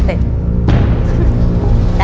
ขอบคุณครับ